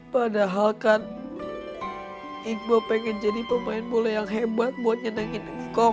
padahal kan iqbal pengen jadi pemain bola yang hebat buat nyenangin kok